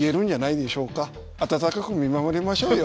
温かく見守りましょうよ。